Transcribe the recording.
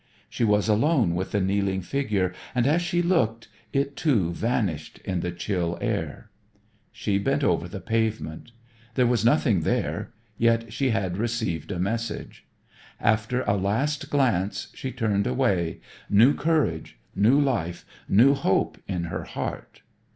She was alone with the kneeling figure and, as she looked, it too vanished in the chill air. She bent over the pavement. There was nothing there, yet she had received a message. After a last glance she turned away, new courage, new life, new hope in her heart.